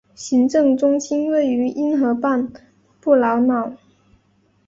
行政中心位于因河畔布劳瑙。